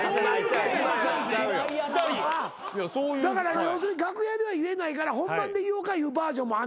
だから要するに楽屋では言えないから本番で言おうかいうバージョンもあんねん。